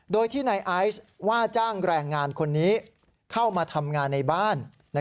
โดยที่นายไอซ์ว่าจ้างแรงงานคนนี้เข้ามาทำงานในบ้าน